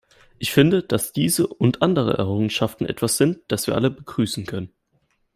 Ich finde, dass diese und andere Errungenschaften etwas sind, das wir alle begrüßen können.